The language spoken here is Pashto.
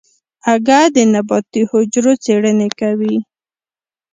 اگه د نباتي حجرو څېړنې کوي.